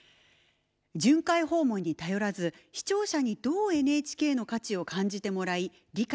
巡回訪問に頼らず視聴者にどうＮＨＫの価値を感じてもらい理解と納得をいただくのか。